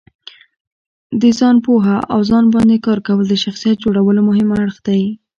د ځانو پوهه او ځان باندې کار کول د شخصیت جوړولو مهم اړخ دی.